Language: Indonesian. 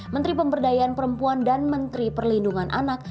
menteri pemberdayaan perempuan dan menteri perlindungan anak